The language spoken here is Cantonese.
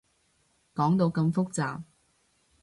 講到咁複雜